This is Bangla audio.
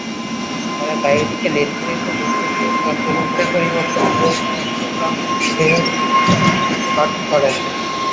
তাঁরা গাড়িটিকে নির্ধারিত গন্তব্য চন্দ্রগঞ্জের পরিবর্তে চট্টগ্রাম ফেরত যেতে বাধ্য করেন।